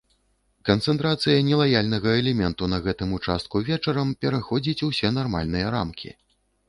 Канцэнтрацыя нелаяльнага элементу на гэтым участку вечарам пераходзіць усе нармальныя рамкі.